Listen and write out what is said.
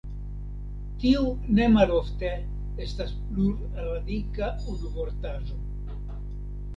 Tiu ne malofte estas plurradika unuvortaĵo.